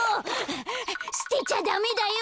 すてちゃダメだよ！